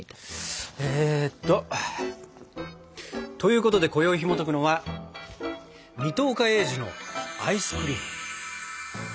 えっと。ということでこよいひもとくのは「水戸岡鋭治のアイスクリーム」。